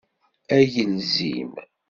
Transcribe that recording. Agelzim.